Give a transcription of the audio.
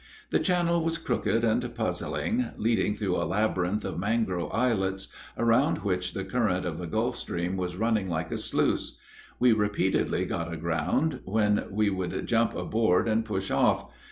The channel was crooked and puzzling, leading through a labyrinth of mangrove islets, around which the current of the Gulf Stream was running like a sluice; we repeatedly got aground, when we would jump overboard and push off.